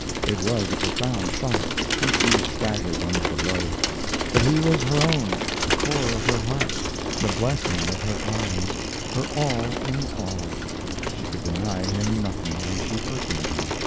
It was a profound shock, and she staggered under the blow, but he was her own, the core of her heart, the blessing of her eyes, her all in all, she could deny him nothing, and she forgave him.